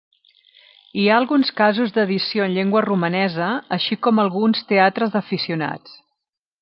Hi ha alguns casos d'edició en llengua romanesa, així com alguns teatres d'aficionats.